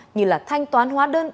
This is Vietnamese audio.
như là thanh toán hóa đơn